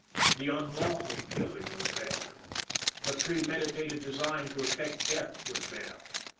The unlawful killing was there. The premeditated design to effect death was there.